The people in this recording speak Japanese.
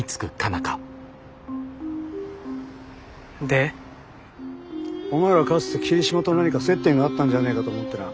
で？お前らかつて桐島と何か接点があったんじゃねえかと思ってな。